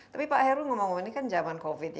tapi pak heru ngomong ngomong ini kan zaman covid ya